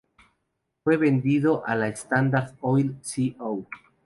Fue vendido a la Standard Oil Co.